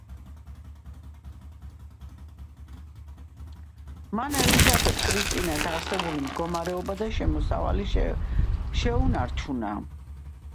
მან ელიზაბეთ კრისტინას არსებული მდგომარეობა და შემოსავალი შეუნარჩუნა.